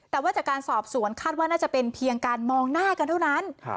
แต่ว่าจากการสอบสวนคาดว่าน่าจะเป็นเพียงการมองหน้ากันเท่านั้น